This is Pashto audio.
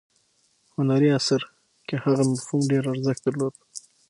هنري اثر کې هغه مفهوم ډیر ارزښت درلود.